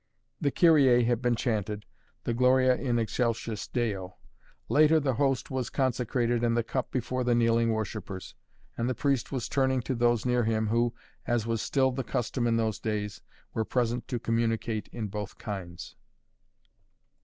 The Kyrie had been chanted, the Gloria in Excelsis Deo. Later the Host was consecrated and the cup before the kneeling worshippers, and the priest was turning to those near him who, as was still the custom in those days, were present to communicate in both kinds.